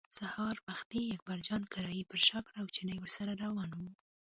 سبا وختي اکبرجان کړایی پر شا کړه او چيني ورسره روان و.